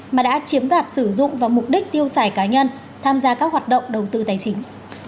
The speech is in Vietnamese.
mà đã chiếm đoạt sử dụng vào mục đích tiêu xài cá nhân tham gia các hoạt động đầu tư tài chính